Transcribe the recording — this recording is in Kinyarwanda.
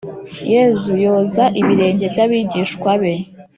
Yesu yoza ibirenge by abigishwa be